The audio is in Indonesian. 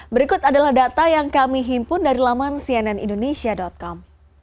berikut adalah data yang kami himpun dari laman cnnindonesia com